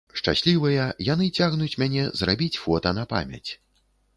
Шчаслівыя, яны цягнуць мяне зрабіць фота на памяць.